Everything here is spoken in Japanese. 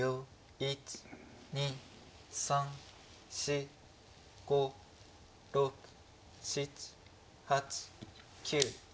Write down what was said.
１２３４５６７８９。